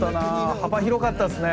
幅広かったですね。